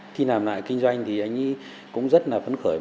khi làm lại kinh doanh thì anh ấy cũng rất là phấn khởi